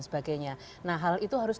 sebagainya nah hal itu harus